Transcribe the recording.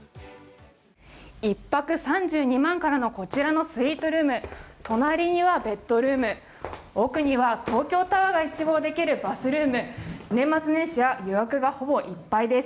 １泊３２万からのこちらのスイートルーム、隣にはベッドルーム、奥には東京タワーが一望できるバスルーム年末年始は予約がほぼいっぱいです。